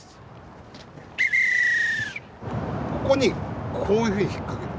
ここにこういうふうに引っ掛ける。